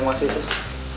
ya makasih sis